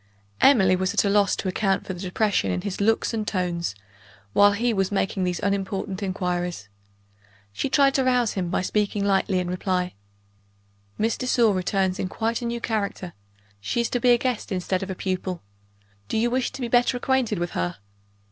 Emily was at a loss to account for the depression in his looks and tones, while he was making these unimportant inquiries. She tried to rouse him by speaking lightly in reply. "Miss de Sor returns in quite a new character; she is to be a guest instead of a pupil. Do you wish to be better acquainted with her?"